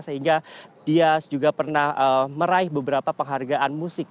sehingga dia juga pernah meraih beberapa penghargaan musik